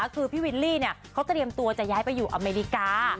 คือพี่วิลลี่เขาเตรียมตัวจะย้ายไปอยู่อเมริกา